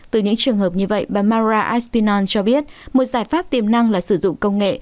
từ những trường hợp như vậy bà mara aspion cho biết một giải pháp tiềm năng là sử dụng công nghệ